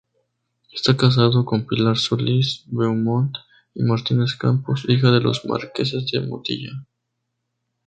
Está casado con Pilar Solís-Beaumont y Martínez-Campos, hija de los marqueses de Motilla.